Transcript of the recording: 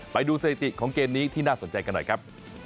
ไปดูสถิติของเกมนี้ที่น่าสนใจกันหน่อยครับ